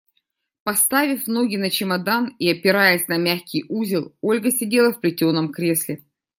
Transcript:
Поставив ноги на чемодан и опираясь на мягкий узел, Ольга сидела в плетеном кресле.